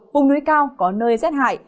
vùng núi cao có nơi rét hại